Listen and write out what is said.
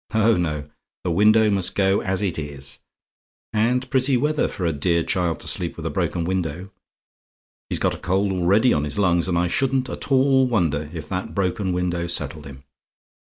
Oh, no! the window must go as it is; and pretty weather for a dear child to sleep with a broken window. He's got a cold already on his lungs, and I shouldn't at all wonder if that broken window settled him.